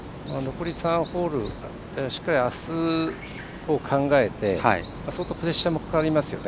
残り３ホールしっかりあすを考えて相当、プレッシャーもかかりますよね。